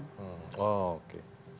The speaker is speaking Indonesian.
siapa yang melaporkan